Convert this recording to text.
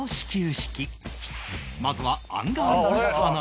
まずはアンガールズ田中